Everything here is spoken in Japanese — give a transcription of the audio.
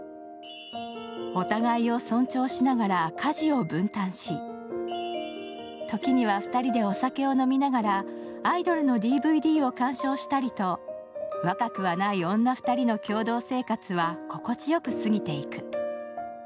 お互いを尊重しながら家事を分担し、時には２人でお酒を飲みながらアイドルのＤＶＤを鑑賞したりと若くはない女２人の共同生活は心地よく過ぎていく。